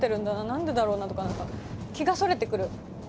何でだろうな？」とか何か気がそれてくる。